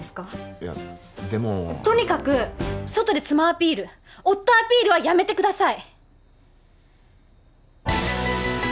いやでもとにかく外で妻アピール夫アピールはやめてください！